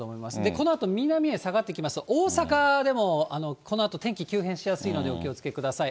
このあと、南へ下がってきますと、大阪でもこのあと天気急変しやすいのでお気をつけください。